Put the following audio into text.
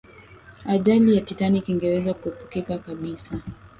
ajali ya titanic ingeweza kuepukika kabisa